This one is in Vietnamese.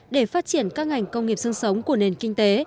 để phát triển các ngành công nghiệp sương sống của nền kinh tế